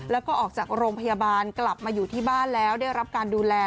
แล้วก็ออกจากโรงพยาบาลกลับมาอยู่ที่บ้านแล้วได้รับการดูแล